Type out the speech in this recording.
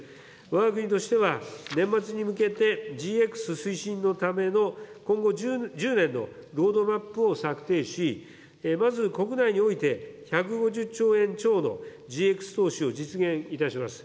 わが国としては、年末に向けて、ＧＸ推進のための今後１０年のロードマップを策定し、まず国内において、１５０兆円超のＧＸ投資を実現いたします。